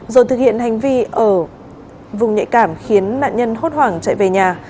rồi thực hiện hành vi ở vùng nhạy cảm khiến nạn nhân hốt hoảng chạy về nhà